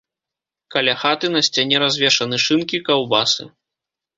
Каля хаты на сцяне развешаны шынкі, каўбасы.